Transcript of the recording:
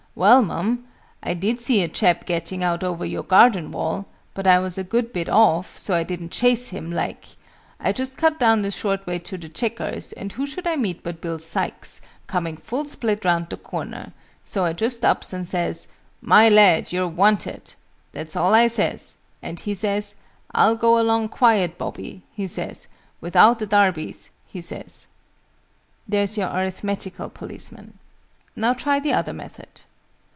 "Well, Mum, I did see a chap getting out over your garden wall: but I was a good bit off, so I didn't chase him, like. I just cut down the short way to the Chequers, and who should I meet but Bill Sykes, coming full split round the corner. So I just ups and says 'My lad, you're wanted.' That's all I says. And he says 'I'll go along quiet, Bobby,' he says, 'without the darbies,' he says." There's your Arithmetical policeman. Now try the other method.